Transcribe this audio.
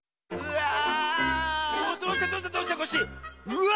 うわ！